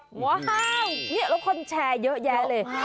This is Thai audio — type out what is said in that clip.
โหวเฮะแล้วคนแชร์เยอะแยะเลย